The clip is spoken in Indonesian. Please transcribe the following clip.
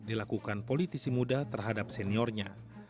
dilakukan politisi muda terhadap seniornya